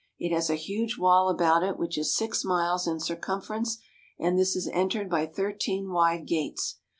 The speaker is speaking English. It has a huge wall about it which is six miles in circumfer ence, and this is entered by thirteen wide gates.